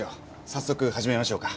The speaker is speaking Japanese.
早速始めましょうか。